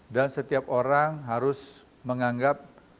dan setiap orang harus menganggap